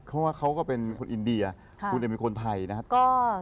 เพราะว่าเขาก็เป็นคนอินเดียคุณเองเป็นคนไทยนะครับ